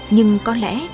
nhưng có lẽ